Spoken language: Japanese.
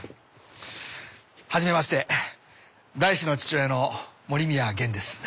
はじめまして大志の父親の森宮源です。